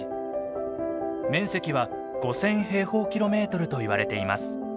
面積は５，０００平方キロメートルといわれています。